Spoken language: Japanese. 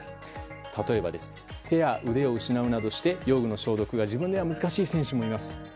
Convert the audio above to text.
例えば、手や腕を失うなどして用具の消毒が自分では難しい選手もいます。